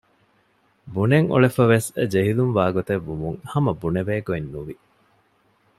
ބުނަން އުޅެފަވެސް ޖެހިލުން ވާގޮތެއް ވުމުން ހަމަ ބުނެވޭގޮތް ނުވި